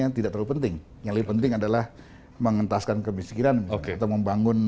yang tidak terlalu penting yang lebih penting adalah mengentaskan kemiskinan atau membangun